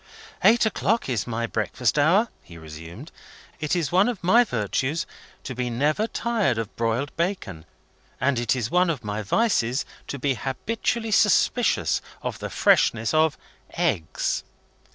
"Eight o'clock is my breakfast hour," he resumed. "It is one of my virtues to be never tired of broiled bacon, and it is one of my vices to be habitually suspicious of the freshness of eggs."